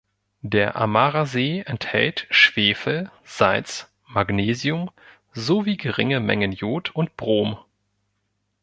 Der Amara-See enthält Schwefel, Salz, Magnesium sowie geringere Mengen Jod und Brom.